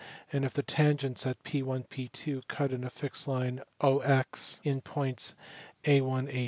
and if the tangents at P lt P^,.. cut a fixed line Ox in points A ly A 2